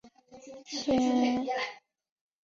默瑟县是美国北达科他州西部的一个县。